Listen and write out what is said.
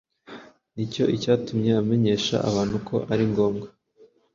Ngicyo icyatumye amenyesha abantu ko ari ngombwa